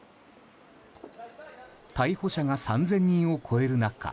逮捕者が３０００人を超える中